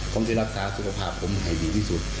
ผมจะรักษาสุขภาพผมให้ดีที่สุด